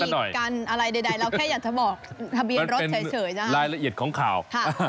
เราแค่อยากจะบอกทะเบียนรถเฉยจ๊ะฮะรายละเอียดของข่าว